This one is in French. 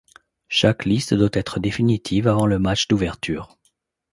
Chaque liste doit être définitive avant le match d'ouverture.